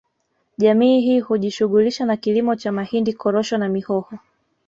Jamii hii hujishughulisha na kilimo cha mahindi korosho na mihoho